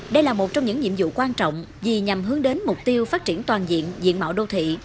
đây là một trong những nhiệm vụ quan trọng vì nhằm hướng đến mục tiêu phát triển toàn diện diện mạo đô thị